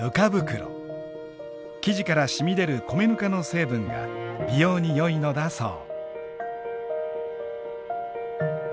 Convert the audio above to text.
生地からしみ出る米ぬかの成分が美容によいのだそう。